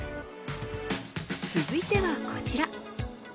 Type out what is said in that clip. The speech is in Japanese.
続いてはこちら。